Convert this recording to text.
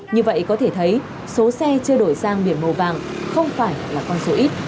như vậy có thể thấy số xe chưa đổi sang biển màu vàng không phải là con số ít